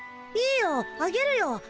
いいよあげるよ。